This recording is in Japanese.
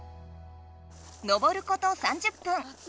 登ること３０分。